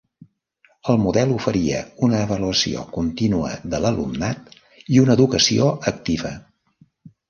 El model oferia una avaluació contínua de l'alumnat i una educació activa.